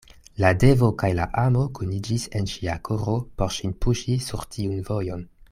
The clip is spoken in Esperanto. La devo kaj la amo kuniĝis en ŝia koro por ŝin puŝi sur tiun vojon.